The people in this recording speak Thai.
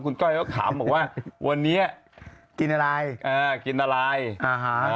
คุณก้อยเขาบอกว่าวันนี้กินอะไรเออกินอะไรอ่าฮะ